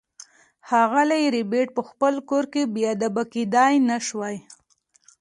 ښاغلی ربیټ په خپل کور کې بې ادبه کیدای نشوای